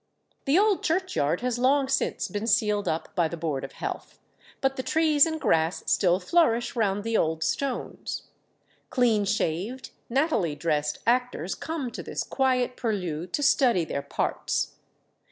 The old churchyard has long since been sealed up by the Board of Health, but the trees and grass still flourish round the old stones. Clean shaved, nattily dressed actors come to this quiet purlieu to study their parts.